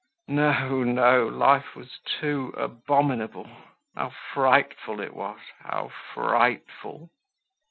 No, no, life was too abominable! How frightful it was! How frightful!